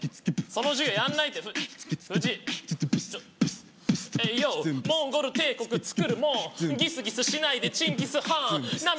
その授業やんないって藤Ｙｏモンゴル帝国つくるもギスギスしないでチンギス・ハン涙